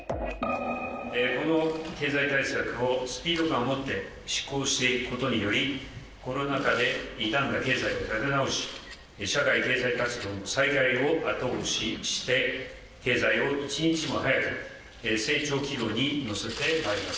この経済対策をスピード感を持って執行していくことにより、コロナ禍で傷んだ経済を立て直し、社会経済活動の再開を後押しして、経済を一日も早く成長軌道に乗せてまいります。